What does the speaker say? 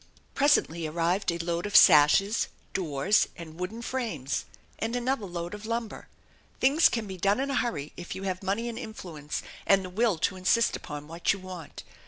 Presently arrived a load of sashes, doors, and wooden frames, and another load of lumber. Things can be done in a hurry if you have money and influence and the will to insist upon what you want.